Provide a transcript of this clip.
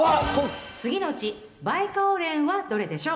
次のうちバイカオウレンはどれでしょう？